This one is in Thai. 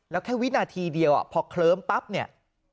แล้วแค่วินาทีเดียวพอเคลิ้มปั๊บเนี่ย